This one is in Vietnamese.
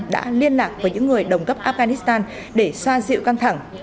đã liên lạc với những người đồng cấp afghanistan để xoa dịu căng thẳng